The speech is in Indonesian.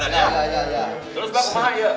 terus bakal kemana ya